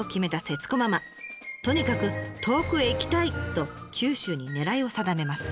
とにかく遠くへ行きたい！と九州に狙いを定めます。